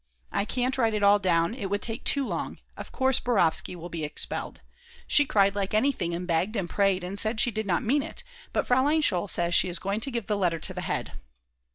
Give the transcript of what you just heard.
I can't write it all down, it would take too long; of course Borovsky will be expelled. She cried like anything and begged and prayed, and said she did not mean it, but Fraulein Scholl says she is going to give the letter to the head.